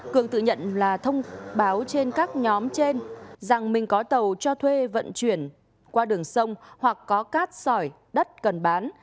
cường tự nhận là thông báo trên các nhóm trên rằng mình có tàu cho thuê vận chuyển qua đường sông hoặc có cát sỏi đất cần bán